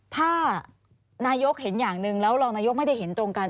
ถ้านายกเห็นอย่างหนึ่งแล้วรองนายกไม่ได้เห็นตรงกัน